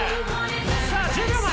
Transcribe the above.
さあ１０秒前。